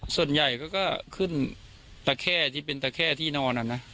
ส่วนใหญ่ก็ขึ้นตะแค่ที่เป็นตะแค่ที่นอนนะ